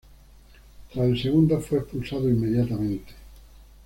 Tras el segundo, fue expulsado inmediatamente.